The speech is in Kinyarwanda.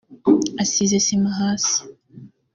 asize sima hasi